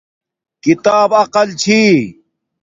کتاب عقل چھی